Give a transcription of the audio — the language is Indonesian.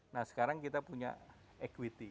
nah sekarang kita punya equity